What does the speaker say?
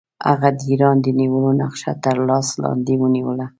هغه د ایران د نیولو نقشه تر لاس لاندې ونیوله.